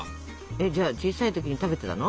えっじゃあ小さい時に食べてたの？